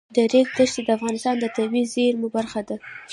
د ریګ دښتې د افغانستان د طبیعي زیرمو برخه ده.